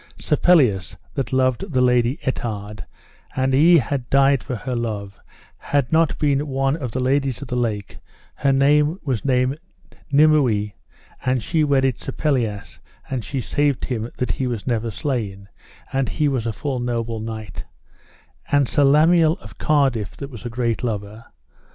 Sir Pelleas that loved the lady Ettard, and he had died for her love had not been one of the ladies of the lake, her name was Dame Nimue, and she wedded Sir Pelleas, and she saved him that he was never slain, and he was a full noble knight; and Sir Lamiel of Cardiff that was a great lover.